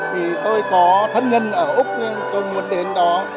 thì tôi có thân nhân ở úc tôi muốn đến đó